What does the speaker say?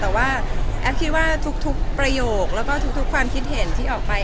แต่ว่าแอฟคิดว่าทุกประโยคแล้วก็ทุกความคิดเห็นที่ออกไป